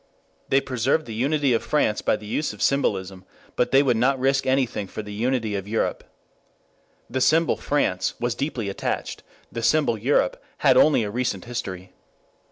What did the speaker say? They preserved the unity of France by the use of symbolism, but they would not risk anything for the unity of Europe. The symbol France was deeply attached, the symbol Europe had only a recent history.